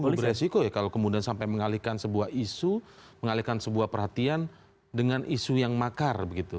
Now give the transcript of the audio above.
itu beresiko ya kalau kemudian sampai mengalihkan sebuah isu mengalihkan sebuah perhatian dengan isu yang makar begitu